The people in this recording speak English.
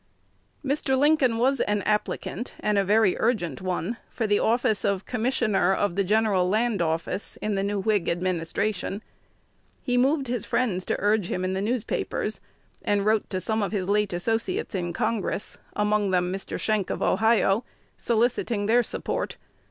[Illustration: Stephen T. Logan 371] Mr. Lincoln was an applicant, and a very urgent one, for the office of Commissioner of the General Land Office in the new Whig administration. He moved his friends to urge him in the newspapers, and wrote to some of his late associates in Congress (among them Mr. Schenck of Ohio), soliciting their support.